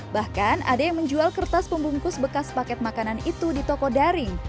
bahkan ada yang menjual kertas pembungkus bekas paket makanan itu di toko daring